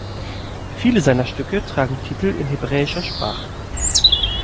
Viele seiner Stücke tragen Titel in hebräischer Sprache.